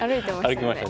歩きました。